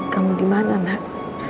kamu dimana nak